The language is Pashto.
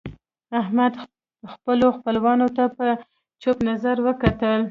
احمد خپلو خپلوانو ته په چپ نظر وکتل.